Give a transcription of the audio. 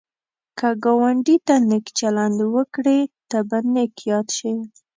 که ګاونډي ته نېک چلند وکړې، ته به نېک یاد شي